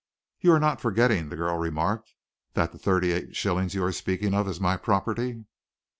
"You are not forgetting," the girl remarked, "that the thirty eight shillings you are speaking of is my property?"